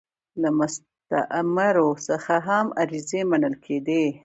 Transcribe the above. له مستعمرو څخه هم عریضې منل کېدې.